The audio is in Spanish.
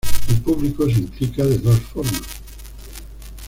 El público se implica de dos formas.